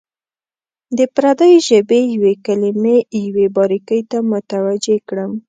د پردۍ ژبې یوې کلمې یوې باریکۍ ته متوجه کړم.